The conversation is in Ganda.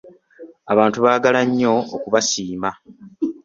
Abantu baagala nnyo okubasiima.